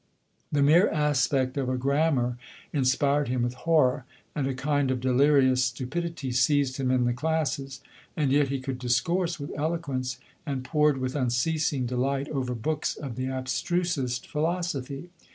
The mere aspect of a grammar inspired him with horror, and a kind of delirious stupidity seized him in the classes ; and yet he could discourse with elo quence, and pored with unceasing delight over books of the abstrusest philosophy.